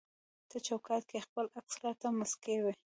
ته چوکاټ کي د خپل عکس راته مسکی وي